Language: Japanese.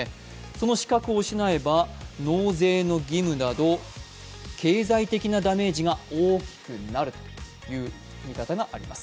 その資格を失えば納税の義務など経済的なダメージが大きくなるという見方があります。